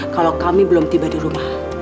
kalau kami belum tiba di rumah